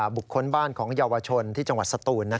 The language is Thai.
บุคคลบ้านของเยาวชนที่จังหวัดสตูน